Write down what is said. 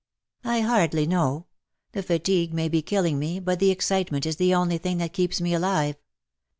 ^^" I hardly know. The fatigue may be killing me, but the excitement is the only thing that keeps me alive.